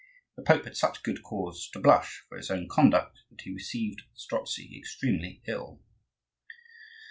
The Pope had such good cause to blush for his own conduct that he received Strozzi extremely ill.